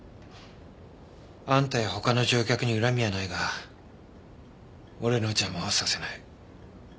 あんたや他の乗客に恨みはないが俺の邪魔はさせない。